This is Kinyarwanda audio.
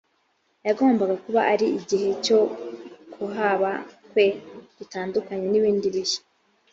yagombaga kuba ari igihe cyo kuhaba kwe gitandukanye n ibindi bihe